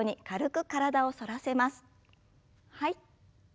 はい。